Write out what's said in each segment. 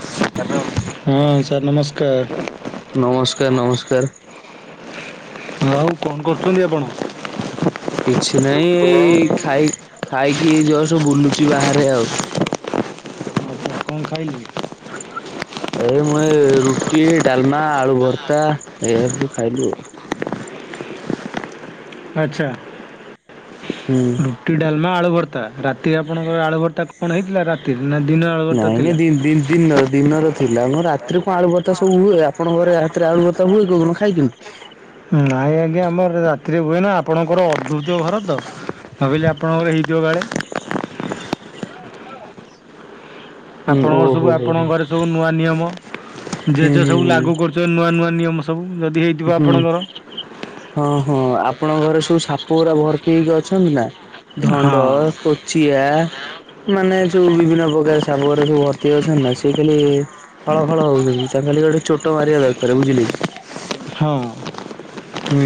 [unintelligible] ହଁ ସାର୍ ନମସ୍କାର। ନମସ୍କାର ନମସ୍କାର [unintelligible] ଆଉ କଣ କରୁଛନ୍ତି ଆପଣ? କିଛି ନାହିଁ ଏଇ ଖାଇ ଖାଇକି ଏ ଜଷ୍ଟ ବୁଲୁଛି ବାହାରେ ଆଉ। କଣ ଖାଇଲେ? ଏ ମୁଇ ଏ ରୁଟି ଡାଲମା ଆଳୁ ଭର୍ତ୍ତା ଏୟା ସବୁ ଖାଇଲୁ ଆଉ। ଆଚ୍ଛା ହୁଁ ରୁ ଟି ଡାଲମା ଆଳୁ ଭର୍ତ୍ତା ରାତିରେ ଆପଣଙ୍କର ଆଳୁ ଭର୍ତ୍ତା କଣ ହେଇଥିଲା ରା ନା ଦିନର ନାଇଁ ନାଇଁ ଦିନ ଦିନ ଦିନର ଦିନର ଥିଲା ମ ରାତିରେ କଣ ଆଳୁଭର୍ତ୍ତା ସବୁ ହୁଏ ଆପଣ ଘରେ ରାତିରେ ଆଳୁଭର୍ତ୍ତା ହୁଏ କଉ ଦିନ ଖାଇଚନ୍ତି? ନାଇଁ ଆଜ୍ଞା ଆମର ରାତିରେ ହୁଏନା ଆପଣଙ୍କର ଅଦଭୁତ ଘର ତ। ଭାବିଲି ଆପଣଙ୍କର ହେଇଥିବ କାଳେ। ହୁଁ ଆପଣଙ୍କ ଓହୋ ସବୁ ହୋ ହୋ ହୁଁ ଆପଣଙ୍କ ଘରେ ସବୁ ନୂଆ ନିୟମ ଜେଜେ ହୁଁ ସବୁ ଲାଗୁ ହୁଁ। କରୁ [unintelligible] ନୂଆ ନୂଆ ନିୟମ ସବୁ ଯଦି ହେଇ ହୁଁ ହଁ ହଁ ଆପଣଙ୍କ ଘରେ ସବୁ ସାପ ପୁରା ଭର୍ତି ହେଇକି ଅଛନ୍ତି ନା ହଁ ଧଣ୍ଡ, କୋଚିଆ ମାନେ ଜୋଉ ବିଭିନ୍ନ ପ୍ରକାର ସାପ ଘରା ସବୁ ଭର୍ତ୍ତି ଅଛନ୍ତି ନା ସେଏ ଖାଲି ହଳ ହଳ ହଉଛନ୍ତି ତାଙ୍କୁ ଖାଲି ଗୋଟେ ଚୋଟ ମାରିବା ଦରକାର ବୁଝିଲେ କି। ହଁ। ହୁଁ।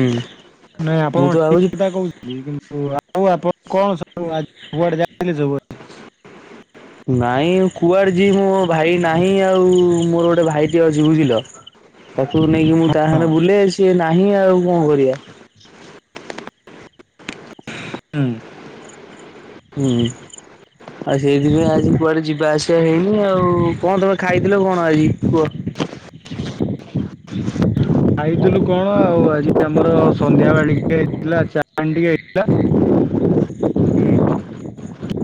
ନାଇଁ ମୁଁ ଆପଣ ତ ଠିକ ଭାବୁଛି କଥା କହୁଛନ୍ତି କିନ୍ତୁ ଆଉ ଆପଣ କଣ ସବୁ କୁଆଡେ ଯାଇଥିଲେ ସବୁଆ ନାଇଁ କୁଆଡେ ଯିବି ମୋ ଭାଇ ନାହିଁ ଆଉ ମୋର ଗୋଟେ ଭାଇଟିଏେ ଅଛି ବୁଝିଲ। [inaudible] ପାଖକୁ ନେଇକି ମୁଁ ତା ହଁ ସାଙ୍ଗରେ ବୁଲେ ସିଏ ନାହିଁ ଆଉ କଣ କରିବା। ହୁଁ। ହୁଁ। ଆଉ ସେଇଥିପାଇଁ ଆଜି କୁଆଡ଼େ ଯିବା ଆସିବା ହେଇନି ଆଉ କଣ ତମେ ଖାଇଥିଲ କଣ ଆଜି କୁହ। ଖାଇଥିଲୁ କଣ ଆଉ ଆଜି ଆମର ସନ୍ଧ୍ୟାବେଳେ ଟିକେ ହେଇଥିଲା ଚାଓମିନ ଟିକେ! ହେଇଥିଲା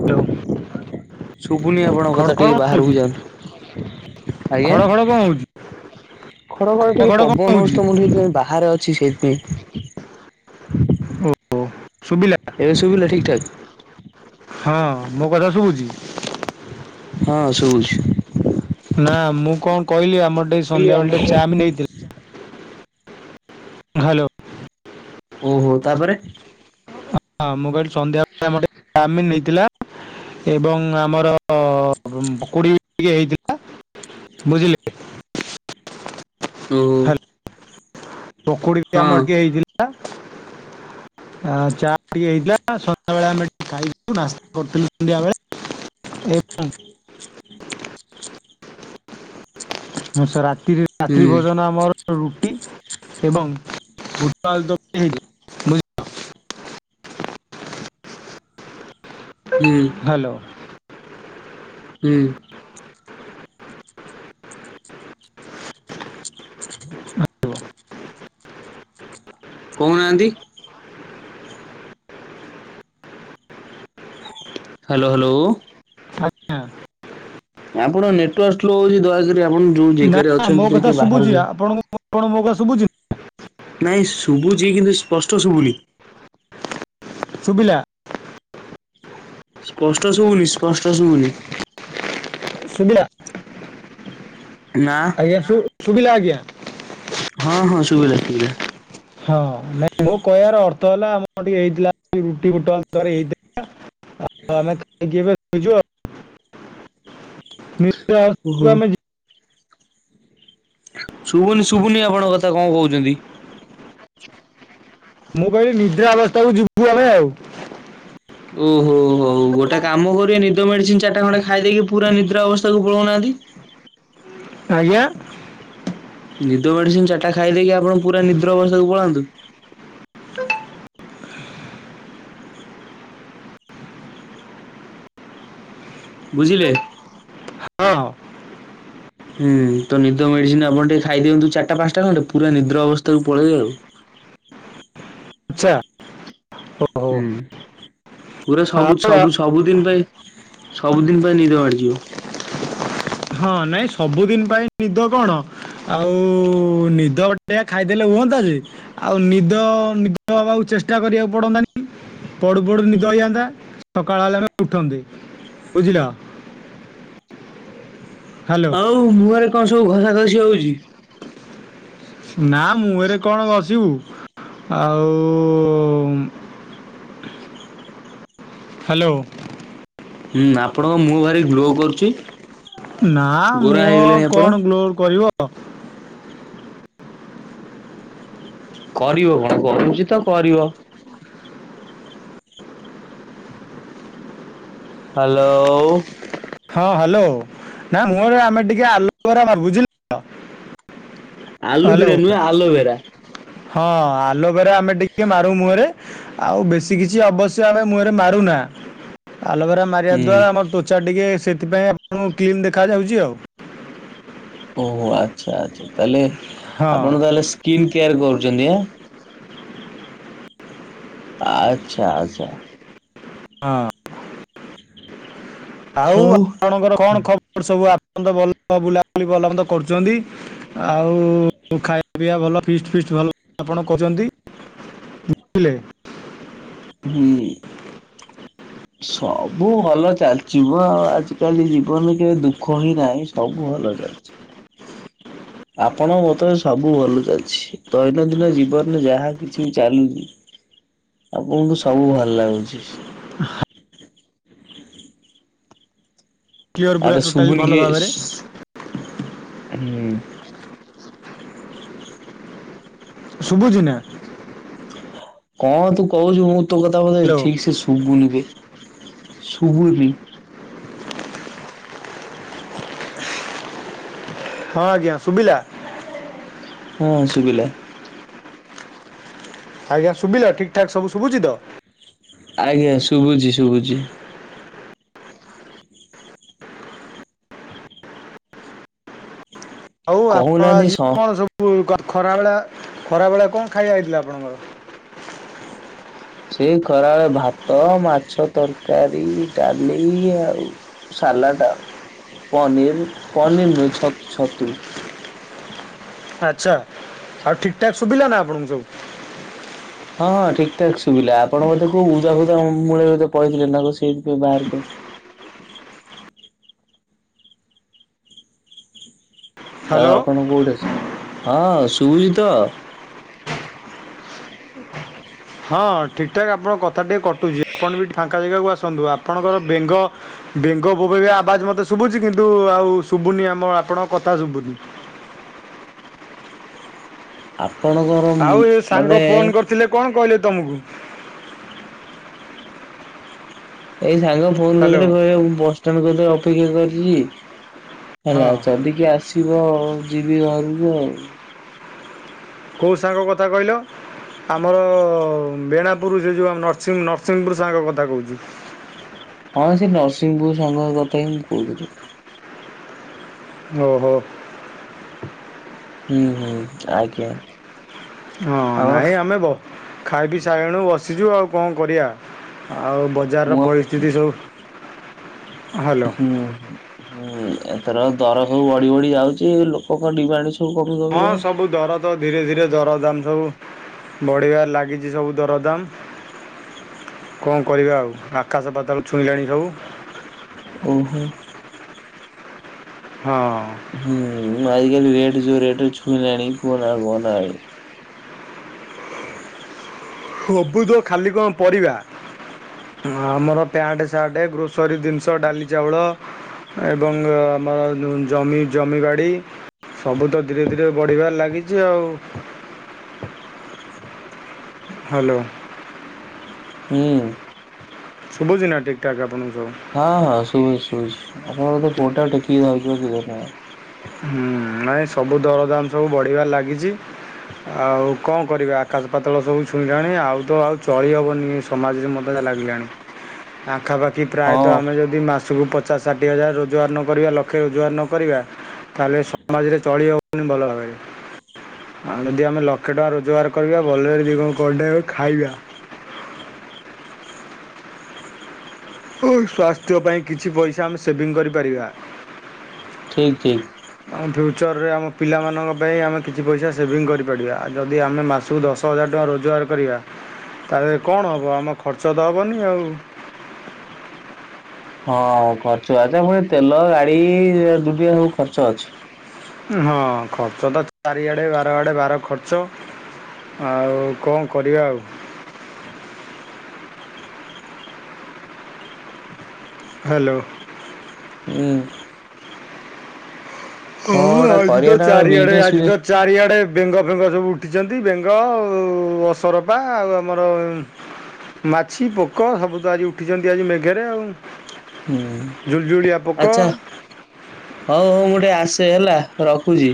ହ୍ୟାଲୋ ଶୁଭୁନି ଆପଣଙ୍କ ଖଡ଼ କଥା ଖଡ଼ ଟିକେ କଣ ବାହାରକୁ ହଉଛି ଯାଆନ୍ତୁ! ଆଜ୍ଞା ଖଡ଼ ଖଡ଼ କଣ ହଉଛି ଖରା ବେଳେ ଖଡ଼ ଟିକେ ଖଡ଼ କଣ ପବନହଉଚି ହଉଛି ତ ମୁଁ ଟିକେ ଯାଇ ବାହ ବାହାରେ ଅଛି ସେଇଥିପାଇଁ! ଓ ଓ ସୁବି! ଏବେ ସୁବିଲା ଠିକ୍ ଠାକ୍! ହଁ ମୋ କଥା ଶୁବୁଛି! ହଁ ଶୁଭୁଚି। ନା ମୁଁ କଣ କଇଲି ଆମର ଟିକେ ସନ୍ଧ୍ୟାବେେଳେ ଟିକେ ଚାମିନି ହେଇଥିଲା। ହ୍ୟାଲୋ। ଓହୋ ତାପରେ। ହଁ ମୁଁ କହିଲି ସନ୍ଧ୍ୟାବେଳେ ଆମର ଟିକେ ଚାମିନ [unintelligible] ହେଇଥିଲା। ଏବଂ ଆମର ପକୁଡ଼ି ଟିକେ ହେଇଥିଲା। ବୁଝିଲେ। ଓହୋ। ହ୍ୟାଲୋ ପକୁଡ଼ି ବି ହଁ ଆମର ଟିକେ ହେଇଥିଲା। ଆ ଚା ଟିକେ ହେଇଥିଲା ସନ୍ଧ୍ୟାବେଳେ ଆମେ ଟିକେ ଖାଇଥିଲୁ [unintelligible] ନାସ୍ତା କରିଥିଲୁ ସନ୍ଧ୍ୟାବେଳେ ଏବଂ [inaudible] ମୁଁ ସା ରାତ୍ରି ହୁଁ ଭୋଜନ ଆମର ରୁଟି ଏବଂ ବୁଟ ଆଳୁଦମ୍! ହୁଁ! ହ୍ୟାଲୋ! ହୁଁ! କହୁନାହାନ୍ତି! Hello hello! ଆଜ୍ଞା! ଆପଣ ନେଟୱର୍କ ସ୍ଲୋ ହେଉଛି ଦୟାକରି ଆପଣ ଯେଉ ନା ଜେଗାରେ ନା, ମୋ ଅଛନ୍ତି ଯାଇକି କଥା ଟିକେ ଶୁଭୁଛି ବାହାରକୁ! ଆପଣଙ୍କୁ ଆପଣ ମୋ କଥା ଶୁଭୁଚି! ନାଇଁ ଶୁଭୁଛି କିନ୍ତୁ ସ୍ପଷ୍ଟ ଶୁଭୁନି! ଶୁଭିଲା! ସ୍ପଷ୍ଟ ଶୁଭୁନି ସ୍ପଷ୍ଟ ଶୁଭୁନି! ସୁବିଲା! ନା! ଆଜ୍ଞା ସୁ ସୁୁଭିଲା ଆଜ୍ଞା! ହଁ ହଁ ଶୁଭିଲା ଶୁବିଲା! ହଁ ନାଇଁ ମୋ କହିବାର ଅର୍ଥ ହେଲା ଆମର ଟିକେ ହେଇଥିଲା ଆଜି ରୁଟି ବୁଟ ଆଳୁତରକାରି ହେଇଥିଲା! ଆମେ ଖାଇକି ଏବେ ଶୋଇଚୁ ଆଉ! ଓହୋ [inaudible] ଶୁଭୁନି ଶୁଭୁନି ଆପଣଙ୍କ କଥା କଣ କହୁଛନ୍ତି! ମୁଁ କହିଲି ନିଦ୍ରା ଅବସ୍ଥାକୁ ଯିବୁ ଆମେ ଆଉ! ଓହୋ ହୋ ହୋ! ହଉ ଗୋଟେ କାମ କରିବେ ନିଦ ମେଡିସିନ ଚାରିଟା ଖଣ୍ଡେ ଖାଇ ଦେଇେଇକି ପୁରା ନିଦ୍ରା ଅବସ୍ଥାକୁ ପଳଉନାହାନ୍ତି! ଆଜ୍ଞା! ନିଦ ମେଡ଼ିସିନ୍ ଚାରିଟା ଖାଇ ଦେଇକି ଆପଣ ପୁରା ନିଦ୍ର ଅବସ୍ଥାକୁ ପଳାନ୍ତୁ। ବୁଝିଲେ? ହ। ହୁଁ ତ ନିଦ ମେଡ଼ିସିନ୍ ଆପଣ ଟିକେ ଖାଇଦିଅନ୍ତୁ ଚାରିଟା ପାଁଶଟା ଖଣ୍ଡେ ପୁରା ନିଦ୍ର ଅବସ୍ଥାକୁ ପଳେଇ ଆଉ। ଚ୍ଛା। ହୁଁ ପୁରା ସବୁ ଆଉ ଆ- ସବୁ ସବୁଦିନ ପାଇଁ ସବୁଦିନ ପାଇଁ ନିଦ ମାଡ଼ିିଯିବ। ହଁ ନାଇଁ ସବୁଦିନ୍ ପାଇଁ ନିଦ କଣ ଆଉ ନିଦ ବଟିଆ ଖାଇଦେଲେ ହୁଅନ୍ତା ଯେ। ଆଉ ନିଦ ନିଦ ହବାକୁ ଚେଷ୍ଟା କରି ଆଉ ପଡ଼ନ୍ତାନି। ପଡ଼ୁ ପଡ଼ୁ ନିଦ ହେଇଯଆନ୍ତା ସକାଳ ହେଲେ ଆମେ ଉଠନ୍ତେ, ବୁଝିଲ? ହ୍ୟାଲୋ ହଉ ମୁହଁରେ କଁ ସବୁ ଘଷା ଘସି ହୋଉଚି? ନାଁ ମୁହେଁରେ କଣ ଘସିବୁ ଆଉ ହାଲୋ। ହୁଁ ଆପଣଙ୍କ ମୁହଁ ଭାରି ଗ୍ଲୋ କରୁଚି। ନାଁ ମୁହଁ କଣ ଗ୍ଲୋ କରିବ? କରିବ କଣ କରୁଚି ତ କରିବ? ହାଲୋ। ହଁ ହାଲୋ ନାଁ ମୁହଁରେ ଆମେ ଟିକେ ଆଲବରା ମାରୁ ବୁଝିଲୁ? ହାଲୋ ଆଲୁବିରା ନୁହେଁ ଆଲୋଭେରା। ହଁ ଆଲବେରା ଆମେ ଟିକେ ମାରୁ ମୁହଁରେ। ଆଉ ବେଶୀ କିଛି ଅବଶ୍ୟ ଆମେ ମୁହଁରେ ମାରୁନା। ଆଲବେରା ମାରିବା ଦ୍ୱାରା ହୁଁ ଆମର ତ୍ୱଚା ଟିକେ ସେଥିପାଇଁ ଆପଣଙ୍କୁ କ୍ଲିନ୍ ଦେଖାଯାଉଚି ଆଉ। ଓହୋ ଆଚ୍ଛା ଆଚ୍ଛା ତାହଲେ ହଁ ଆପଣ ତାହେଲେ ସ୍କିନ୍ କେୟାର କରୁଚନ୍ତି ଆ? ତା ଆଚ୍ଛା ଆଚ୍ଛା। ହଁ। ଆଉ ହଉ ଆପଣଙ୍କର କଣ ଖବର ସବୁ ଆପଣ ତ ଭଲ ବୁଲାବୁଲି ଭଲମନ୍ଦ କରୁଚନ୍ତି? ଆଉ ଖାଇବା ପିଇବା ଭଲ ଫିଷ୍ଟ ଫିଷ୍ଟ ଭଲ ଆପଣ କଚନ୍ତି। ଉହୁଲେ ହୁଁ। ସବୁ ଭଲ ଚାଲଚି ମ ଆଉ ଆଜିକାଲି ଜୀବନ କେବେ ଦୁଃଖ ହିଁ ନାହିଁ ସବୁ ଭଲ ଚାଲଚି। ଆପଣଙ୍କ ମତରେ ସବୁ ଭଲ ଚାଲିଚି ଦୈନନ୍ଦିନ ଜୀବନରେ ଯାହା କିଛି ଚାଲ୍ ଆପଣଙ୍କୁ ସବୁ ଭଲ ଲାଗୁଚି। କ୍ଲିଅର ପୁରା ଆରେ ଟୋଟାଲି ଭଲ ଶୁବୁନିକି ଭାବରେ ଶ୍ ହୁଁ। ଶୁବୁଚି ନା? କଣ ତୁ କହୁଚୁ ମୁଁ ତୋ କଥା ମାନେ ହ୍ୟାଲୋ ଠିକସେ ଶୁ ପୁବୁନୁ ବେ ଶୁବୁଚି। ହଁ ଆଜ୍ଞା ଶୁବିଲା? ହଁ ଶୁବିଲା। ଆଜ୍ଞା ଶୁବିଲା ଠିକ୍ ଠାକ୍ ସବୁ ଶୁବୁଚି ତ? ଆଜ୍ଞା ଶୁବୁଚି ଶୁବୁଚି। ଆଉ ଆପଣ କହୁନାହାନ୍ତି ଆଜି ସ କଣ ସବୁ ଖ ଖରାବେଳେ ଖରାବେଳେ କଁ ଖାଇବା ହେଇଥିଲା ଆପଣଙ୍କର? ସେ ଖରାଏଳେ ଭାତ, ମାଛ ତରକାରୀ, ଡାଲି ଆଉ ସାଲାଟ୍ ଆଉ ପନିର୍ ପନିର୍ ନୁହେଁ ଛତୁ ଛତୁ। ଆଚ୍ଛା ଆଉ ଠିକ୍ ଠାକ୍ ଶୁବିଲା ନା ଆପଣୁଙ୍କୁ ସବୁ? ଳହଁ ଠିକ୍ ଠାକ୍ ଶୁବିିଲା ଆପଣ ଓଧେ କୋଉ ଉଦା ଫୁଦା ମୂଳେ ଓଧେ ପଳେଇଥିଲେ ନା କ ସେଇଥିପାଇଁ ବାହାରିକି ଆସ ଆଉ ହ୍ୟାଲୋ ଆପଣଙ୍କୁ ଓଟେ ସେ ହଁ ଶୁବୁଚି ତ? ହଁ ଠିକ୍ ଠାକ୍ ଆପଣଙ୍କ କଥା ଟିକେ କଟୁଚି ଆପଣ ବି ଫାଙ୍କା ଜେଗାକୁ ଆସନ୍ତୁ ଆପଣଙ୍କର ବେଙ୍ଗ ବେଙ୍ଗ ବୋବେଇବା ଆବାଜ ମତେ ଶୁବୁଚି କିନ୍ତୁ ଆଉ ଶୁବୁନି ଆମ ଆପଣଙ୍କ କଥା ଶୁବୁନି। ଆପଣଙ୍କର ମୁ ମାନେ ଥିଲେ କଣ କହିଲେ ତମକୁ। ଏଇ ସାଙ୍ଗ ଫୋନ ହ୍ୟାଲୋ କରିଥିଲେ କହିଲେ ମୁଁ ବସଷ୍ଟାଣ୍ଡ କତିରେ ଅପେକ୍ଷା କରିଛି। ହଁ ହେଲା ଯଦି କିଏ ଆସିବ ଯିବି ଘରକୁ ଆଉ। କୋଉ ସାଙ୍ଗ କଥା କହିଲ। ଆମର-ଅ-ଅ-ଅ ବେଣାପୁର ସେ ଯୋଉ ଆମ ନରସିଂ ନରସିଂପୁର ସାଙ୍ଗ କଥା କହୁଛି। ହଁ ସେ ନରସିଂହପୁର ସାଙ୍ଗ କଥା ହିଁ ମୁଁ କହୁଥିଲି। ଓହୋ। ହୁଁ ହୁଁ ଆଜ୍ଞା। ହଁ ଆମର ନାଇଁ ଆମେ ବ ଖାଇ ପି ସାରିଲୁଣୁ ବସିଛୁ ଆଉ କଣ କରିବା ଆଉ ବ ବଜାରର ମୁଁ ପରିସ୍ଥିତି ସବୁ ହ୍ୟାଲୋ ହୁଁ ହୁଁ। ହୁଁ ଏଥର ଦର ସବୁ ବଢି ବଢି ଯାଉଛି ଲୋକ ଙ୍କ ଡିମାଟ ସ ହଁ ସବୁ ଦର ତ ଧୀରେ ଧୀରେ ଦରଦାମ ସବୁ ବଢ଼ିବାରେ ଲାଗିଚି ସବୁ ଦରଦାମ। କଣ କରିବା ଆଉ ଆକାଶ ପାତାଳ ଛୁଇଁଲାଣି ସବୁ। ଓହୋ। ହଁ। ହୁଁ ଆଜିକାଲି ରେଟ ଜୋଉ ରେଟ ଛୁଇଁଲାଣି କୁହ ନା ଆଉ କୁହନା ଆଉ। ହବୁତ ଖାଲି କଣ ପରିବା। ଆମର ପ୍ୟାଣ୍ଟ, ସାର୍ଟ, ଗ୍ରୋସରୀ ଜିନିଷ ଡାଲି, ଚାଉଳ। ଏବଂ ଆମର ଯୋଉ ଜମି ଜମିବାଡ଼ି। ସବୁ ତ ଧୀରେ ଧୀରେ ବଢିବାରେ ଲାଗିଛି ଆଉ। ହାଲୋ। ହୁଁ। ଶୁବୁଚି ନା ଠିକ୍ ଠାକ୍ ଆପଣଙ୍କୁ? ହଁ ହଁ ଶୁଭୁଚି ଶୁଭୁଚି ଆପଣଙ୍କ ବୋଧେ ଫୋନ୍ ଟା ଟେକିକି ଧରିଛନ୍ତି ବୋଧେ ହୁଁ ନାଇଁ ସବୁ ଦରଦାମ ସବୁ ବଢିବାରେ ଲାଗିଛି। ଆଉ କଣ କରିବା ଆକାଶ ପାତଳ ସବୁ ଛୁଇଁଲାଣି ଆଉ ତ ଆଉ ଚଳିହବନି। ସମାଜରେ [unintelligible] ଲାଗିଲାଣି ଆଖାପାଖି ପ୍ରାୟତଃ ହଁ ଆମେ ଯ ଯଦି ମାସକୁ ପଚାଶ ଷାଠିଏ ହଜାର ରୋଜଗାର ନ କରିବା ଲକ୍ଷେ ରୋଜଗାର ନ କରିବା ତାହେଲେ ସମାଜରେ ଚଳି ହବନି ଭଲ ଭାବରେ। ଆଉ ଯଦି ଆମେ ଲକ୍ଷେ ଟଙ୍କା ରୋଜଗାର କରିବା ଭଲରେ ଦି ଗୁ ଗଣ୍ଡେ ହଉ ଖାଇବା। ଓ ସ୍ଵାସ୍ଥ୍ୟ ପାଇଁ କିଛି ପଇସା ଆମେ ସେଭିଂ କରିପାରିବା। ଠିକ୍ ଠିକ୍। ଆମ ଫ୍ୟୁଚରରେ ଆମ ପିଲାମାନଙ୍କ ପାଇଁ ଆମେ କିଛି ପଇସା ସେଭିଙ୍ଗ କରିପାରିବା। ଆଉ ଯଦି ଆମେ ମାସକୁ ଦଶ ହଜାର ଟଙ୍କା ରୋଜଗାର କରିବା ତାହେଲେ କଣ ହେବ ଆମ ଖର୍ଚ୍ଚ ତ ହେବନି ଆଉ। ହଁ-ଅ-ଅ-ଅ ଖର୍ଚ୍ଚ ଆଚ୍ଛା ପୁଣି ତେଲ ଗାଡି-ଇ-ଇ-ଇ ଦୁନିଆ ସବୁ ଖର୍ଚ୍ଚ ଅଛି। ହଁ ଖର୍ଚ୍ଚ ତ ଚାରିଆଡ଼େ ବାର ଆଡ଼େ ବାର ଖର୍ଚ୍ଚ ଆଉ କଣ କରିବା ଆଉ। ହାଲୋ। ହୁଁ। କଣ ହଁ-ଅ-ଅ ଗୋଟେ ଆଜି ତ କରିବା ନା ଚାରିଆଡେ ବିଜନେସ ଆଜି ତ ଚାରିଆଡ଼େ ବେଙ୍ଗ ଫେଙ୍ଗ ସବୁ ଉଠିଛନ୍ତି ବେଙ୍ଗ-ଅ-ଅ-ଅ ଅସରପା ଆଉ ଆମର-ଅ ମାଛି ପୋକ ସବୁ ତ ଆଜି ଉଠିଛନ୍ତି ଆଜି ମେଘରେ ଆଉ। ହୁଁ ଜୁଳୁଜୁଳିଆ ପୋକ। ଆଚ୍ଛା ହଉ ହଉ ମୁଁ ଟିକେ ଆସେ ହେଲା ରଖୁଛି।